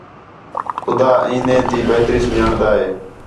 خُدا این٘دے تی بہتری س٘ن٘ڄاݨدا ہے